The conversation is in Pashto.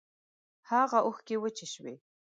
هاغه اوښکی وچې شوې